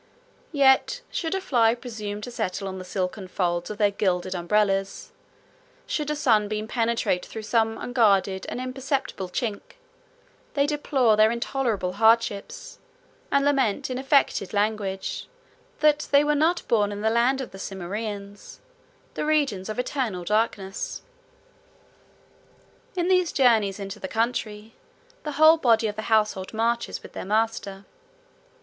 Yet should a fly presume to settle on the silken folds of their gilded umbrellas; should a sunbeam penetrate through some unguarded and imperceptible chink, they deplore their intolerable hardships, and lament, in affected language, that they were not born in the land of the Cimmerians, 42 the regions of eternal darkness. In these journeys into the country, 43 the whole body of the household marches with their master.